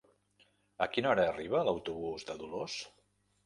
A quina hora arriba l'autobús de Dolors?